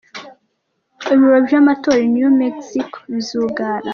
Ibiro vy'amatora i New Mexico bizugara.